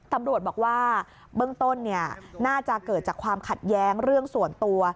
ตำรวจบอกว่าเบื้องต้นน่าจะเกิดจากความขัดแย้งเรื่องส่วนตัว